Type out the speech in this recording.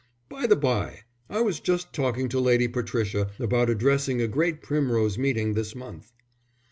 "By the bye, I was just talking to Lady Patricia about addressing a great Primrose Meeting this month."